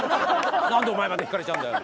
なんでお前までひかれちゃうんだよ。